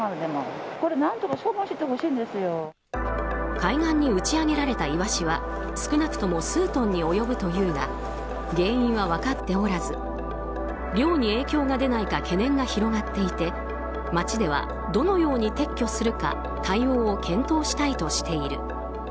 海岸に打ち上げられたイワシは少なくとも数トンに及ぶというが原因は分かっておらず漁に影響が出ないか懸念が広がっていて町ではどのように撤去するか対応を検討したいとしている。